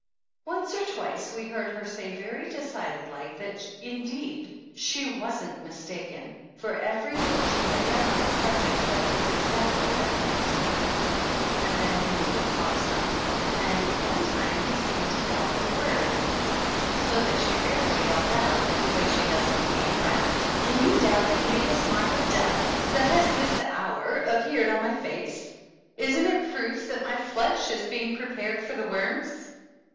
Once or twice we heard her say very decided like that indeed she wasn't mistaken, for every book she had read on the subject said it was exactly that kind of a symptom. And then he would talk some, and one time he seemed to doubt her 67 THE ANNALS OF ANN word so that she fairly yelled out, the way she does when he ain't around: "Can you doubt the hideous mark of death that has this hour ap peared upon my face? Isn't it proof that my flesh is being prepared for the worms?"